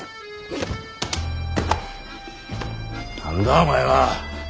何だお前は？